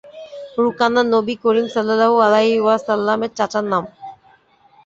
রুকানা নবী করীম সাল্লাল্লাহু আলাইহি ওয়াসাল্লাম-এর চাচার নাম।